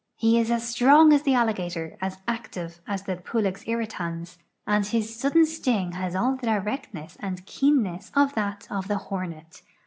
He is as strong as the alligator, as active as tlu^ Palex irritaM lIwA his sudden sting has all the directness and keenness of that of the hornet.